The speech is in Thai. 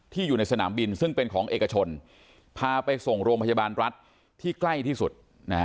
อยู่ในสนามบินซึ่งเป็นของเอกชนพาไปส่งโรงพยาบาลรัฐที่ใกล้ที่สุด